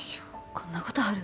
こんなことある？